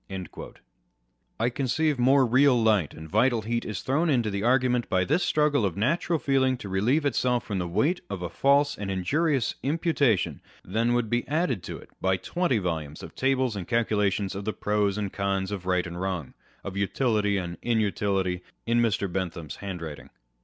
"*, I conceive more real light and vital heat is thrown into the argument by this struggle of natural feeling to relieve itself from the weight of a false and injurious imputation, than would be added to it by twenty volumes of tables and calculations of the pros and cons of right and wrong, of utility and inutility, in Mr. Bentham's handwriting.